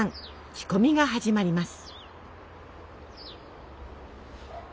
仕込みが始まります。